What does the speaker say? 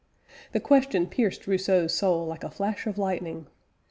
"The question pierced Rousseau's soul like a flash of lightning."